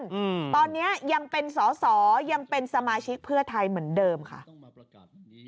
อืมตอนเนี้ยยังเป็นสอสอยังเป็นสมาชิกเพื่อไทยเหมือนเดิมค่ะ